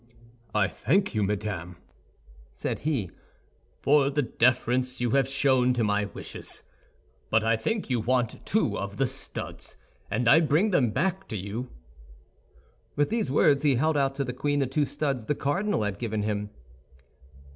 "I thank you, madame," said he, "for the deference you have shown to my wishes, but I think you want two of the studs, and I bring them back to you." With these words he held out to the queen the two studs the cardinal had given him.